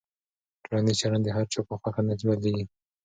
ټولنیز چلند د هر چا په خوښه نه بدلېږي.